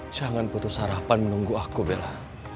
jangan putus harapan menunggu aku bela